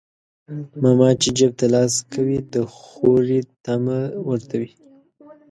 ماما چى جيب ته لاس کوى د خورى طعمه ورته وى.